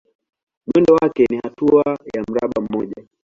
Mwendo wake ni hatua ya mraba mmoja.